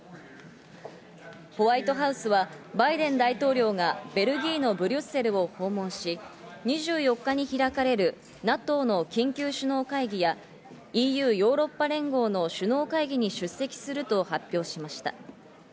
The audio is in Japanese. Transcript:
ホワイトハウスはバイデン大統領がベルギーのブリュッセルを訪問し、２４日に開かれるＮＡＴＯの緊急首脳会議やＥＵ＝ヨーロッパ連合の首脳会議に出席すると発表しました。